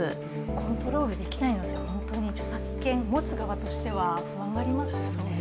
コントロールできないというのは本当に著作権を持つ側としては不安がありますよね。